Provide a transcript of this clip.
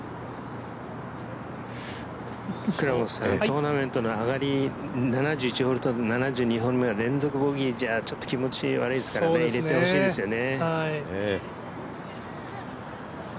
トーナメントの上がり７１ホールと７２ホールめは連続ボギーじゃちょっと気持ち悪いですから入れてほしいですね。